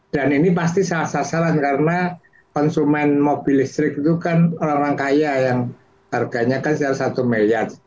dan ini pasti salah salah karena konsumen mobil listrik itu kan orang orang kaya yang harganya kan sekitar satu miliar